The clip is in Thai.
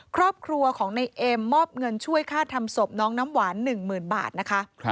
ครอบครัวของในเอ็มมอบเงินช่วยค่าทำศพน้องน้ำหวาน๑๐๐๐บาทนะคะ